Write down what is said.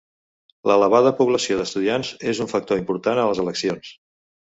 L'elevada població d'estudiants és un factor important a les eleccions.